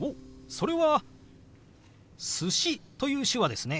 それは「寿司」という手話ですね。